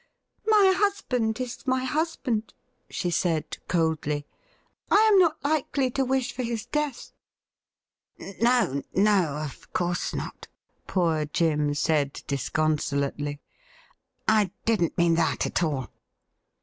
' My husband is my husband !' she said coldly. ' I am not likely to wish for his death.' ' No — no — of course not,' poor Jim said disconsolately. ' I didn't mean that at all